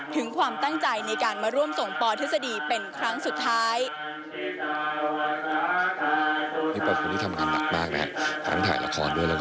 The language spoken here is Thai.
ถึงความตั้งใจในการมาร่วมส่งปทฤษฎีเป็นครั้งสุดท้าย